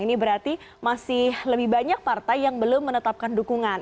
ini berarti masih lebih banyak partai yang belum menetapkan dukungan